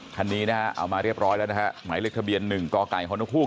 คันนี้นะฮะเอามาเรียบร้อยแล้วนะฮะหมายเลขทะเบียน๑กไก่ฮนกฮูก